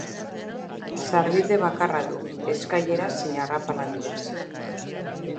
Sarbide bakarra du, eskailera zein arrapala bidez.